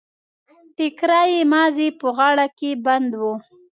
ټکری يې مازې په غاړه کې بند و.